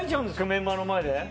メンバーの前で。